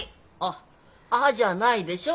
「あ」じゃないでしょ